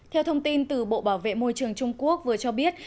theo thông tin từ bộ bảo vệ môi trường trung quốc vừa cho biết